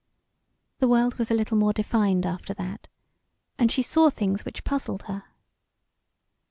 The world was a little more defined after that, and she saw things which puzzled her.